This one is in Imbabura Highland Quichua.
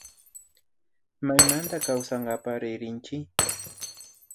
Maymanta kawsankapak rikrinkichi